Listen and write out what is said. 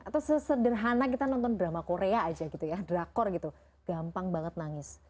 atau sesederhana kita nonton drama korea aja gitu ya drakor gitu gampang banget nangis